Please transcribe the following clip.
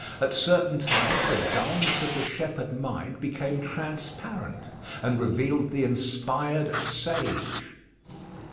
At certain times the dullness of the shepherd mind became transparent, and revealed the inspired sage.